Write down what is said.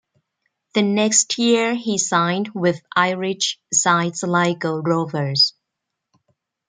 The next year he signed with Irish side Sligo Rovers.